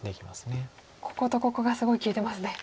こことここがすごい利いてますね。